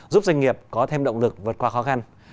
giúp doanh nghiệp có thêm động lực vượt qua khó khăn